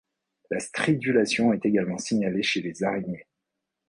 La stridulation est également signalée chez les Araignées.